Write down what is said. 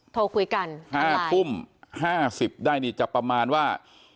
โทรคุยกัน๕ทุ่ม๕๐ได้นี่จะประมาณว่า